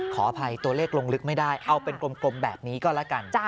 ขออภัยตัวเลขลงลึกไม่ได้เอาเป็นกลมแบบนี้ก็แล้วกัน